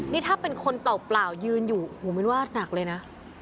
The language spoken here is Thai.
นี่ถ้าเป็นคนเปล่ายืนอยู่หูมินว่าหนักเลยนะ